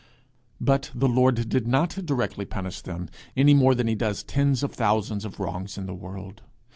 But the Lord did not directly punish them, any more than he does tens of thousands of wrongs in the world.